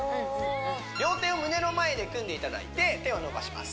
両手を胸の前で組んでいただいて手を伸ばします